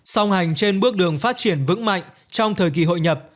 song hành trên bước đường phát triển vững mạnh trong thời kỳ hội nhập